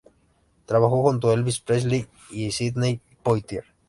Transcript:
Trabajó junto a Elvis Presley y Sydney Poitier.